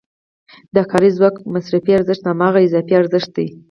د کاري ځواک مصرفي ارزښت هماغه اضافي ارزښت دی